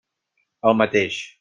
El mateix.